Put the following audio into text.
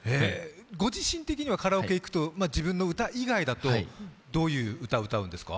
ご自身的にはカラオケに行くと自分の歌以外だと、どういう曲を歌うんですか？